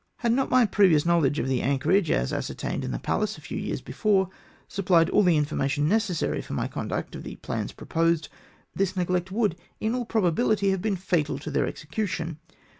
Had not my previous knowledge of the anchorage, as ascertained in the Pallas a few years before, supphed all the informa tion necessary for my conduct of the plans proposed, this neglect would in all probabihty have been fatal to their execution.